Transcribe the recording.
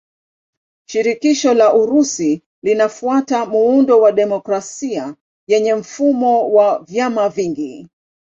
Shirikisho la Urusi linafuata muundo wa demokrasia yenye mfumo wa vyama vingi.